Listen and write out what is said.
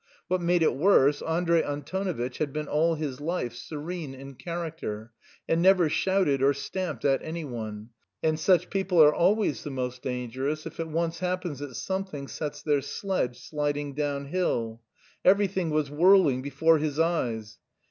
What made it worse, Andrey Antonovitch had been all his life serene in character, and never shouted or stamped at anyone; and such people are always the most dangerous if it once happens that something sets their sledge sliding downhill. Everything was whirling before his eyes.